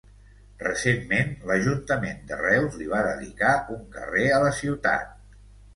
Recentment l'ajuntament de Reus li va dedicar un carrer a la ciutat.